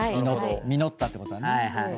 実ったってことはね。